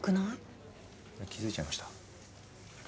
気付いちゃいました？